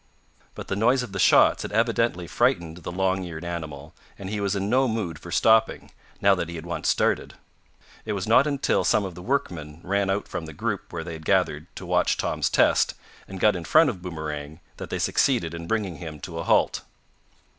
But the noise of the shots had evidently frightened the long eared animal, and he was in no mood for stopping, now that he had once started. It was not until some of the workmen ran out from the group where they had gathered to watch Tom's test, and got in front of Boomerang, that they succeeded in bringing him to a halt.